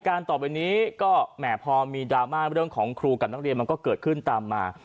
ต่อไปนี้ก็แหมพอมีดราม่าเรื่องของครูกับนักเรียนมันก็เกิดขึ้นตามมา